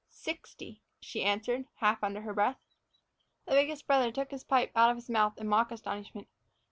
"Sixty," she answered, half under her breath. The biggest brother took his pipe out of his mouth in mock astonishment.